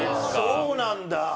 そうなんだ。